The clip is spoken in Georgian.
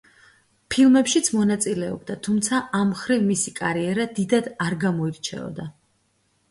ფილმებშიც მონაწილეობდა, თუმცა ამ მხრივ მისი კარიერა დიდად არ გამოირჩეოდა.